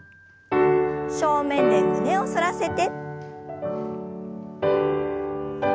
正面で胸を反らせて。